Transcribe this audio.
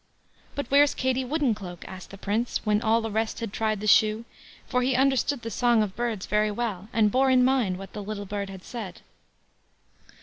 "But where's Katie Woodencloak?" asked the Prince, when all the rest had tried the shoe, for he understood the song of birds very well, and bore in mind what the little bird had said.